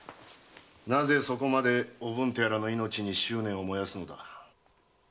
なぜそこまでおぶんとやらの命に執念を燃やすのだ？